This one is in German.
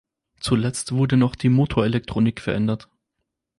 Zuletzt wurde noch die Motorelektronik verändert.